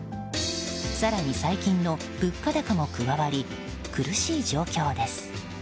更に最近の物価高も加わり苦しい状況です。